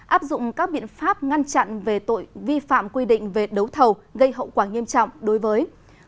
áp dụng các biện pháp ngăn chặn về tội vi phạm quy định về đấu thầu gây hậu quả nghiêm trọng đối với